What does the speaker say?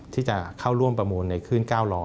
ที่จะเข้าร่วมประมูลในคลื่น๙ล้อ